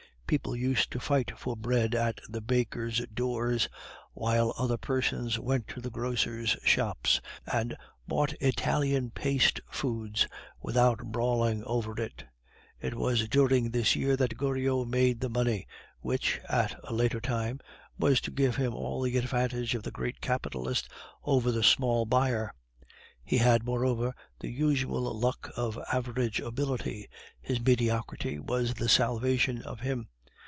People used to fight for bread at the bakers' doors; while other persons went to the grocers' shops and bought Italian paste foods without brawling over it. It was during this year that Goriot made the money, which, at a later time, was to give him all the advantage of the great capitalist over the small buyer; he had, moreover, the usual luck of average ability; his mediocrity was the salvation of him.